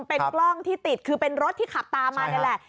เป็นกล้องที่ติดคือเป็นรถที่ขับตามมานี่แหละ